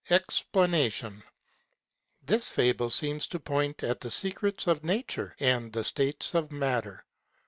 EXPLANATION.—This fable seems to point at the secrets of nature, and the states of matter.